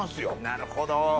なるほど。